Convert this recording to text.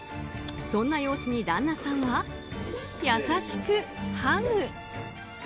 そんな様子に旦那さんは優しくハグ。